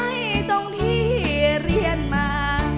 ไม่ต้องที่เรียนมา